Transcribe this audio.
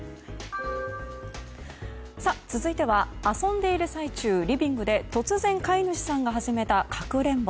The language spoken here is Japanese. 続いては遊んでいる最中、リビングで突然飼い主さんが始めたかくれんぼ。